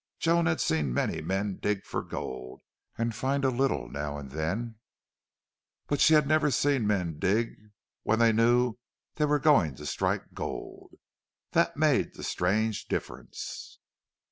Joan had seen many men dig for gold, and find a little now and then, but she had never seen men dig when they knew they were going to strike gold. That made the strange difference.